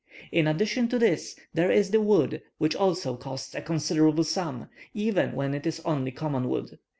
In addition to this, there is the wood, which also costs a considerable sum, even when it is only common wood.